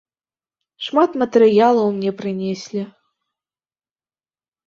Шмат матэрыялаў мне прынеслі.